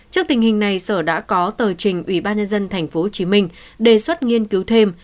trước tình hình này sở đã có tờ trình ủy ban nhân dân tp hcm đề xuất nghiên cứu thêm